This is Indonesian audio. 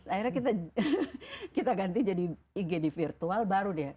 akhirnya kita ganti jadi igd virtual baru deh